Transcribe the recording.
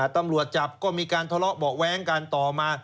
ตำรวจจับก็มีการทะเลาะเบาะแว้งกันต่อมา